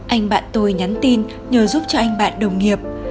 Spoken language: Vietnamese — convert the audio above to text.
anh bạn tôi nhắn tin nhờ giúp cho anh bạn đồng nghiệp